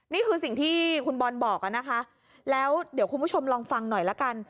นี่คือสิ่งที่คุณบอลบอกอะนะคะแล้วเดี๋ยวคุณผู้ชมลองฟังหน่อยละกัน